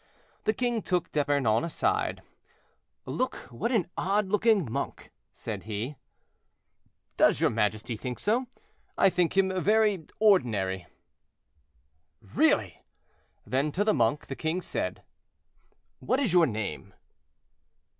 The king took D'Epernon aside, "Look, what an odd looking monk," said he. "Does your majesty think so?—I think him very ordinary." "Really!" Then to the monk, the king said, "What is your name?"